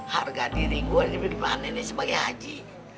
harga diri gue ini gimana nih sebagai haji